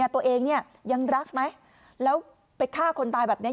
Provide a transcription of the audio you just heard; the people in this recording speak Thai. ตัวเองยังรักไหมแล้วไปฆ่าคนตายแบบนี้